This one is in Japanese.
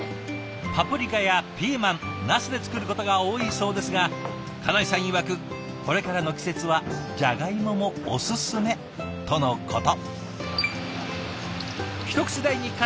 パプリカやピーマンなすで作ることが多いそうですが金井さんいわくこれからの季節はジャガイモもおすすめとのこと。